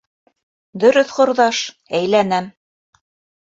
Дөрөҫ, ҡорҙаш, әйләнәм.